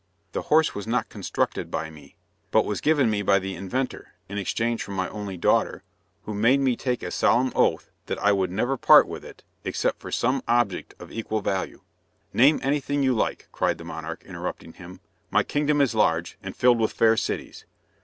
The horse was not constructed by me, but it was given me by the inventor, in exchange for my only daughter, who made me take a solemn oath that I would never part with it, except for some object of equal value." "Name anything you like," cried the monarch, interrupting him. "My kingdom is large, and filled with fair cities.